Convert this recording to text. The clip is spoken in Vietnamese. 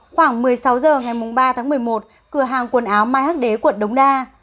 khoảng một mươi sáu h ngày ba tháng một mươi một cửa hàng quần áo mai hắc đế quận đống đa